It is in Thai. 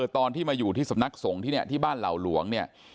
ตอนที่มาอยู่ที่สำนักสงฆ์ที่บ้านเหล่าหลวง